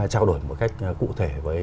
trao đổi một cách cụ thể với